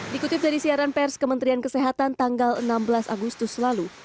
dikutip dari siaran pers kementerian kesehatan tanggal enam belas agustus lalu